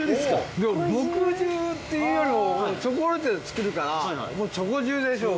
でも墨汁って言うよりもチョコレートで作るからもうチョコ汁でしょう